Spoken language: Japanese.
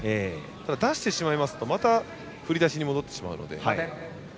ただ、出してしまいますとまた、振り出しに戻るので。